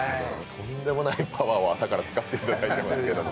とんでもないパワーを朝から使っていただきましたけども。